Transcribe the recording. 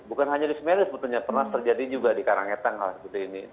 bukan hanya di semeru sebetulnya pernah terjadi juga di karangetang hal seperti ini